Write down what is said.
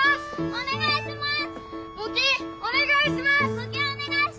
お願いします！